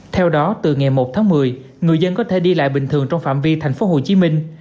theo đó từ ngày một tháng một mươi người dân có thể đi lại bình thường trong phạm vi thành phố hồ chí minh